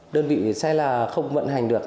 đơn vị xe không vận hành được